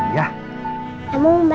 si buruk rupa